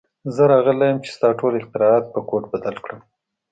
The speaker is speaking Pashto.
زه راغلی یم چې ستا ټول اختراعات په کوډ بدل کړم